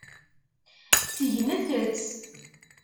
Segnet-tt.